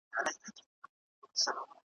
د زاړه دښمن قصرونه `